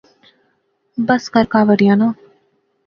بس کر، کہاوریاں ناں